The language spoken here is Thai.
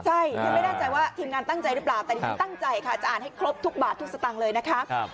ใช่ดิฉันไม่แน่ใจว่าทีมงานตั้งใจหรือเปล่าแต่ดิฉันตั้งใจค่ะจะอ่านให้ครบทุกบาททุกสตางค์เลยนะคะ